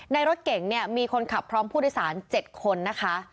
รถเก่งเนี่ยมีคนขับพร้อมผู้โดยสาร๗คนนะคะ